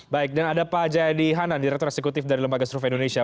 baik dan ada pak jaya dihanan direktur eksekutif dari lembaga struve indonesia